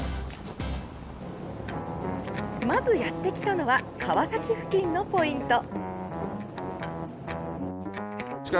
まずやってきたのは川崎付近のポイント。